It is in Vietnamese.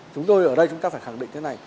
chúng tôi ở đây chúng ta phải khẳng định thế này